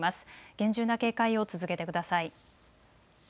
厳重な警戒を続けてください。